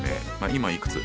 今いくつ？